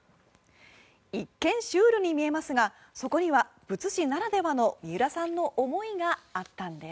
一見シュールに見えますがそこには仏師ならではの三浦さんの思いがあったんです。